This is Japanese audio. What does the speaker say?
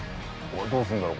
どうするんだろう？